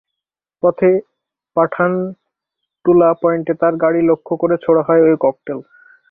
পথে পাঠানটুলা পয়েন্টে তাঁর গাড়ি লক্ষ্য করে ছোড়া হয় ওই ককটেল।